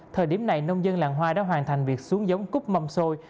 thời điểm này nông dân làng hoa đã hoàn thành việc xuống giống cút mâm xôi